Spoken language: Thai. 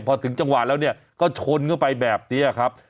พอถึงจังหวะแล้วเนี่ยก็ชนเข้าไปแบบนี้ครับ